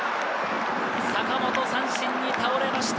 坂本、三振に倒れました。